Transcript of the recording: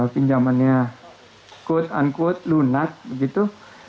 pinjamannya quote unquote lunak begitu